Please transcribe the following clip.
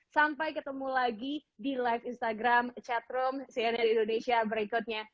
sampai ketemu lagi di live instagram chatroom cnn indonesia berikutnya